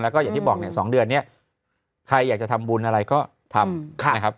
แล้วก็อย่างที่บอกเนี่ย๒เดือนนี้ใครอยากจะทำบุญอะไรก็ทำนะครับ